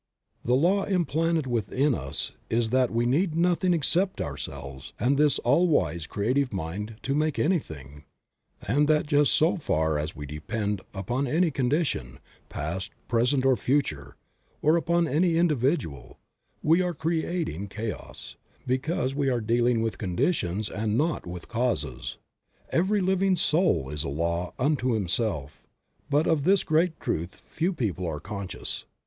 The law implanted within us is, that we need nothing except ourselves and this All Wise Creative Mind to make anything; and that just so far as we depend upon any condition, past, present or future, or 20 Creative Mind. upon any individual, we are creating chaos, because we are dealing with conditions and not with causes. Every living soul is a law unto himself, but of this great truth few people are conscious.